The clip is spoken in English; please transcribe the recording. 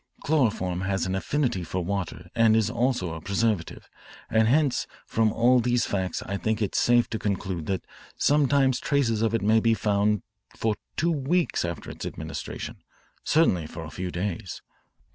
Chloroform has an affinity for water and is also a preservative, and hence from all these facts I think it safe to conclude that sometimes traces of it may be found for two weeks after its administration, certainly for a few days."